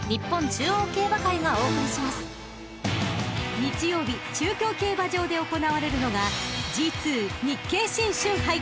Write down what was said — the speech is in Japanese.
［日曜日中京競馬場で行われるのがＧⅡ日経新春杯］